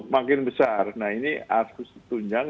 makin besar nah ini harus ditunjang